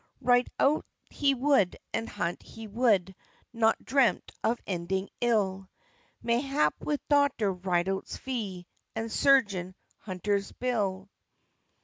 Ride out he would, and hunt he would, Nor dreamt of ending ill; Mayhap with Dr. Ridout's fee, And Surgeon Hunter's bill.